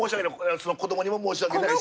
その子どもにも申し訳ないし。